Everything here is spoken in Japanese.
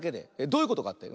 どういうことかって？